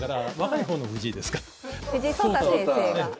藤井聡太先生が聡太。